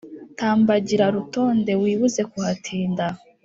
Tambagira Rutonde Wibuze kuhatinda